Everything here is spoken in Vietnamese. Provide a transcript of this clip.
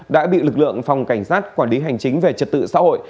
đã bị lực lượng phòng cảnh sát quản lý hành chính về trật tự xã hội